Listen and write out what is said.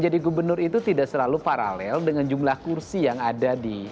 jadi gubernur itu tidak selalu paralel dengan jumlah kursi yang ada di